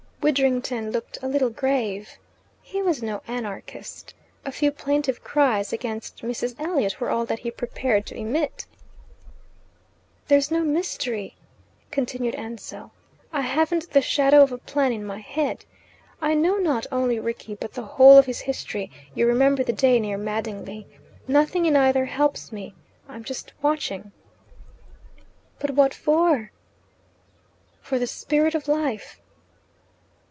Widdrington looked a little grave. He was no anarchist. A few plaintive cries against Mrs. Elliot were all that he prepared to emit. "There's no mystery," continued Ansell. "I haven't the shadow of a plan in my head. I know not only Rickie but the whole of his history: you remember the day near Madingley. Nothing in either helps me: I'm just watching." "But what for?" "For the Spirit of Life."